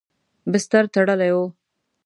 بستر تړلی و.